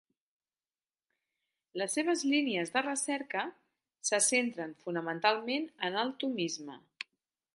Les seves línies de recerca se centren fonamentalment en el tomisme.